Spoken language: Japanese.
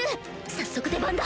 早速出番だ！